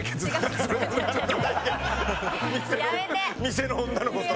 店の女の子と。